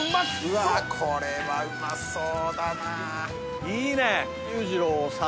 うわこれはうまそうだないいね！